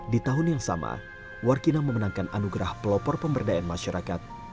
di tahun yang sama warkina memenangkan anugerah pelopor pemberdayaan masyarakat